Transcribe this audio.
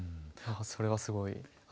それはすごい。